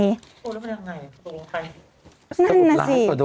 โอ้แล้วเป็นยังไง